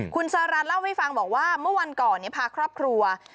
คุณสารันเล่าให้ฟังบอกว่าเมื่อวันก่อนพาครอบครัว